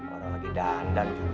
orang lagi dandan juga